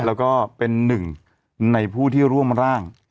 แล้วก็เป็นหนึ่งในผู้ที่ร่วมร่าง